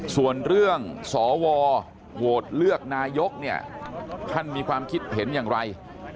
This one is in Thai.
ส่วนเรื่องสวโหวตเลือกนายกเนี่ยท่านมีความคิดเห็นอย่างไร